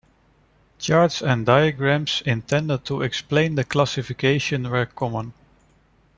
Charts and diagrams intended to explain the classifications were common.